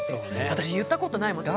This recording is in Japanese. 私言ったことないもん。